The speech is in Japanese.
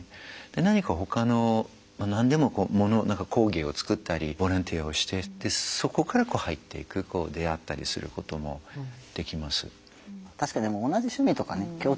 何かほかの何でも物工芸を作ったりボランティアをしてそこから入っていく出会ったりすることもできます。